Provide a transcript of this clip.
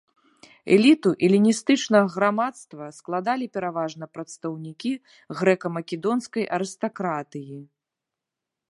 Эліту эліністычнага грамадства складалі пераважна прадстаўнікі грэка-македонскай арыстакратыі.